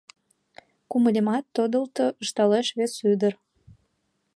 — Кумылемат тодылто, — ышталеш вес ӱдыр.